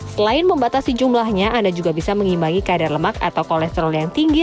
selain membatasi jumlahnya anda juga bisa mengimbangi kadar lemak atau kolesterol yang tinggi